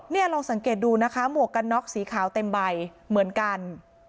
นี่ลองสังเกตดูนะคะหมวกกันน็อกสีขาวเต็มใบเหมือนกัน